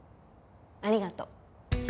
ありがとう。